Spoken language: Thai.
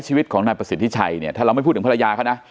ชีวิตของนายประสิทธิชัยเนี่ยถ้าเราไม่พูดถึงภรรยาเขานะ